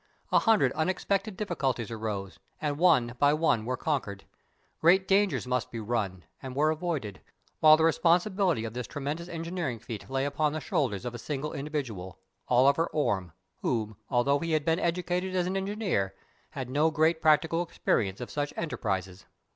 A hundred unexpected difficulties arose, and one by one were conquered. Great dangers must be run, and were avoided, while the responsibility of this tremendous engineering feat lay upon the shoulders of a single individual, Oliver Orme, who, although he had been educated as an engineer, had no great practical experience of such enterprises.